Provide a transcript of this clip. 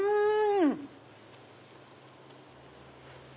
うん！